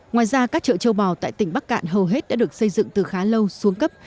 ngoài ra các chợ châu bò tại tỉnh bắc cạn hầu hết đã được xây dựng từ khá lâu xuống cấp